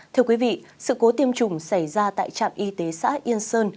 thưa quý vị sự cố tiêm chủng xảy ra tại trạm y tế xã yên sơn